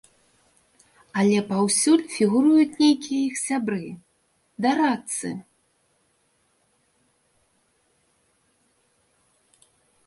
Але паўсюль фігуруюць нейкія іх сябры, дарадцы.